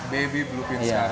baby bluefin sekarang